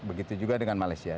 begitu juga dengan malaysia